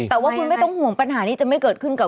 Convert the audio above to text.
แต่ว่าคุณไม่ต้องห่วงปัญหานี้จะไม่เกิดขึ้นกับ